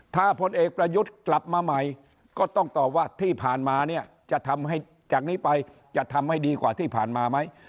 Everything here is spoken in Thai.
ถ้าพลเอกประยุทธกลับมาใหม่ก็ต้องตอบว่าที่ผ่านมาจะทำให้ดีกว่าที่ผ่านมาไหม